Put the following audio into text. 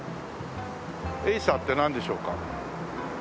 エイサーってなんでしょうか？